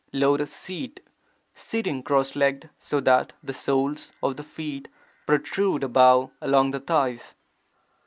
lotus seat; sitting cross legged so that the soles of the feet protrude above along the thighs.